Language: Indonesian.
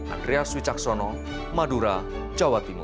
andreas wicaksono madura jawa timur